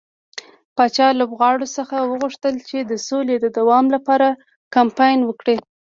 پاچا لوبغاړو څخه وغوښتل چې د سولې د دوام لپاره کمپاين وکړي.